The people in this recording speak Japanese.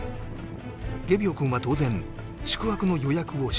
ゲビオ君は当然宿泊の予約をしていない